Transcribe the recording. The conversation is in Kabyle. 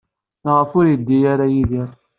Maɣef ur yeddi ara Yidir?